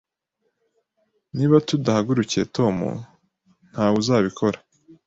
Niba tudahagurukiye Tom, ntawe uzabikora.